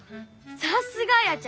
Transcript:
さすがあやちゃん！